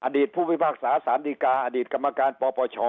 อดีตผู้วิภาคศาสนิกาอดีตกรรมการปปช